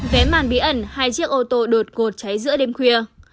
vé màn bí ẩn hai chiếc ô tô đột ngột cháy giữa đêm khuya